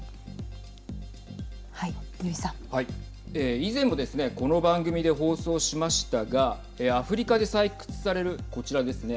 以前もですねこの番組で放送しましたがアフリカで採掘されるこちらですね。